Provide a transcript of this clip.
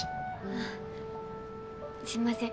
あっすいません。